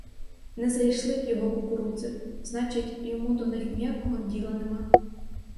Не зайшли в його кукурудзи, значить, йому до них ніякого діла нема.